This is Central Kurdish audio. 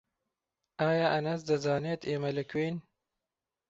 ئایا ئەنەس دەزانێت ئێمە لەکوێین؟